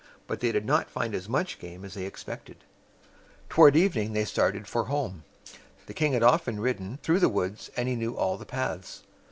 But they did not find as much game as they expected. Toward evening they started for home. The king had often ridden through the woods, and he knew all the paths.